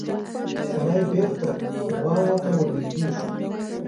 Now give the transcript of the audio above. سړی بېرته غواوو ته ورنږدې شو.